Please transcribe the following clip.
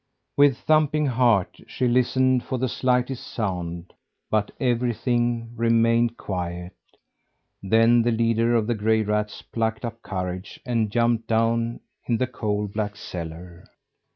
With thumping heart she listened for the slightest sound, but everything remained quiet. Then the leader of the gray rats plucked up courage and jumped down in the coal black cellar.